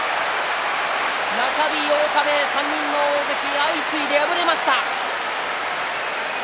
中日八日目３人の大関、相次いで敗れました。